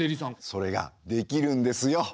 それができるんですよ。